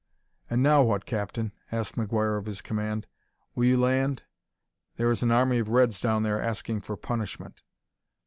"And now what, Captain?" asked McGuire of his command. "Will you land? There is an army of reds down there asking for punishment."